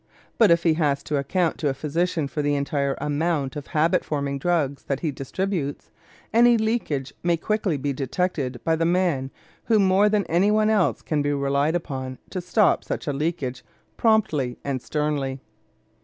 But if he has to account to a physician for the entire amount of habit forming drugs that he distributes, any leakage may quickly be detected by the man who more than any one else can be relied upon to stop such a leakage promptly and sternly.